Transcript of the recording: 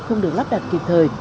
không được lắp đặt kịp thời